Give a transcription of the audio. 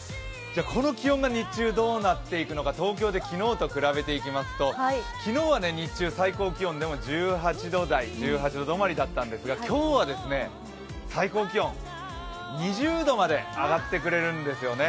この気温が日中どうなっていくのか東京で昨日と比べていきますと昨日は日中、最高気温、１８度止まりだったんですが今日は、最高気温２０度まで上がってくれるんですよね。